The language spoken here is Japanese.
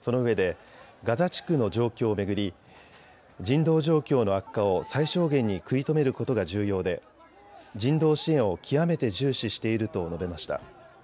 そのうえでガザ地区の状況を巡り人道状況の悪化を最小限に食い止めることが重要で人道支援を極めて重視していると述べました。